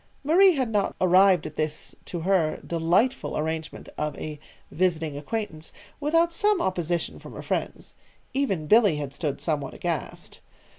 Marie had not arrived at this to her, delightful arrangement of a "visiting acquaintance" without some opposition from her friends. Even Billy had stood somewhat aghast.